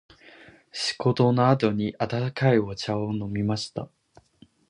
仕事の後に温かいお茶を飲みました。